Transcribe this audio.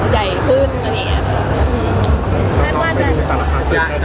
ดีหรือเปล่า